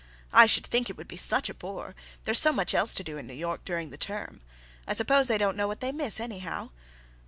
"I should think it would be such a bore, there's so much else to do in New York during the term. I suppose they don't know what they miss, anyhow."